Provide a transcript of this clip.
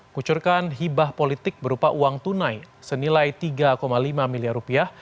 kucurkan hibah politik berupa uang tunai senilai tiga lima miliar rupiah